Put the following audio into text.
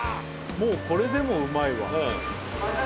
もうこれでもうまいわ。